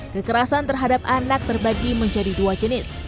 kekerasan terhadap anak terbagi menjadi dua jenis